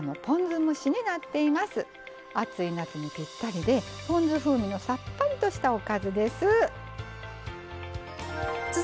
暑い夏にぴったりでポン酢風味のさっぱりとしたおかずです。